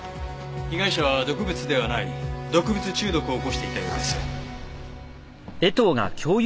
被害者は毒物ではない毒物中毒を起こしていたようです。